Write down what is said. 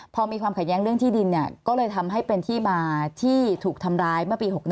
พอมีความขัดแย้งเรื่องที่ดินก็เลยทำให้เป็นที่มาที่ถูกทำร้ายเมื่อปี๖๑